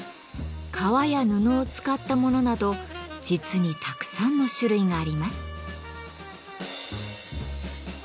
革や布を使ったものなど実にたくさんの種類があります。